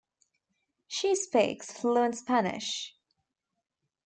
She speaks fluent Spanish.